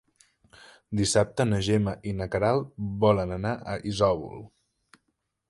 Dissabte na Gemma i na Queralt volen anar a Isòvol.